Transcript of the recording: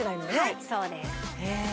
はいそうですへえ